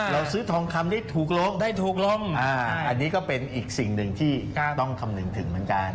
เราซื้อทองคำที่ถูกลงได้ถูกลงอันนี้ก็เป็นอีกสิ่งหนึ่งที่ต้องคำนึงถึงเหมือนกัน